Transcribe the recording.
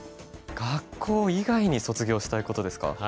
学校以外に卒業したいことですか。